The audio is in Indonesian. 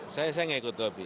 saya tidak ikut lobi